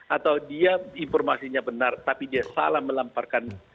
atau dia informasinya benar tapi dia salah melemparkan